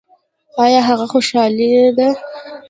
ایا هغه خوشحاله دی؟